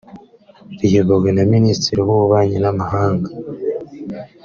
riyobowe na Minisitiri w’Ububanyi n’amahanga